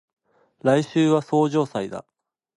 来週は相生祭だ